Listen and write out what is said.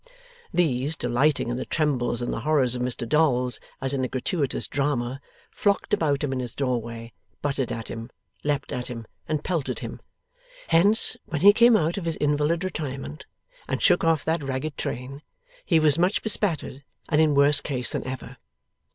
These, delighting in the trembles and the horrors of Mr Dolls, as in a gratuitous drama, flocked about him in his doorway, butted at him, leaped at him, and pelted him. Hence, when he came out of his invalid retirement and shook off that ragged train, he was much bespattered, and in worse case than ever.